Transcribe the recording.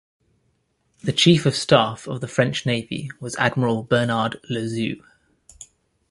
The Chief of Staff of the French Navy was Admiral Bernard Louzeau.